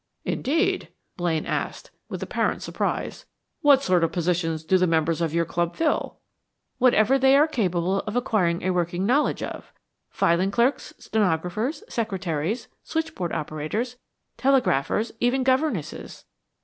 "Indeed?" Blaine asked, with apparent surprise. "What sort of positions do the members of your club fill?" "Whatever they are capable of acquiring a working knowledge of. Filing clerks, stenographers, secretaries, switchboard operators, telegraphers, even governesses.